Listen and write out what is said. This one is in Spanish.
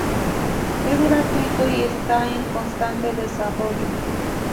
Es gratuito y está en constante desarrollo.